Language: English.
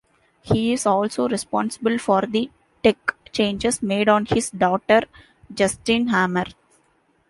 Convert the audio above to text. He is also responsible for the tech changes made on his daughter Justine Hammer.